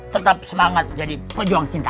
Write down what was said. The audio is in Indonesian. tetap semangat jadi pejuang cinta